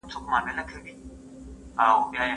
زده کړه د ماشومانو د پوهې کچه لوړوي.